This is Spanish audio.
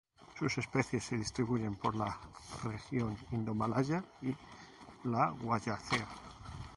Sus especies se distribuyen por la región indomalaya y la Wallacea.